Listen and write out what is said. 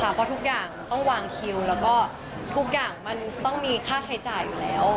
เพราะทุกอย่างต้องวางคิวแล้วก็ทุกอย่างมันต้องมีค่าใช้จ่ายอยู่แล้ว